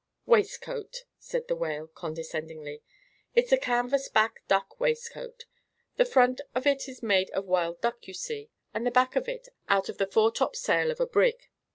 "Waistcoat," said the Whale, condescendingly. "It's a canvas back duck waistcoat. The front of it is made of wild duck, you see, and the back of it out of the fore top sail of a brig.